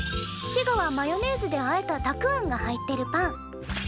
滋賀はマヨネーズであえたたくあんが入ってるパン。